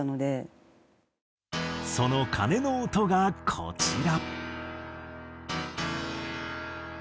その鐘の音がこちら。